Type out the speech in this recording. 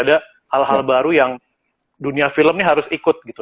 ada hal hal baru yang dunia film ini harus ikut gitu